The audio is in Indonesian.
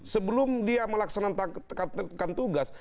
sebelum dia melaksanakan tugas